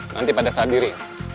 nanti pada saat diri